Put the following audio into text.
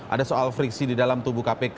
ada soal friksi di dalam tubuh kpk